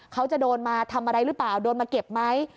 เขาจะโดนมาทำอะไรหรือเปล่าโดนมาเก็บไหม